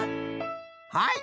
はい！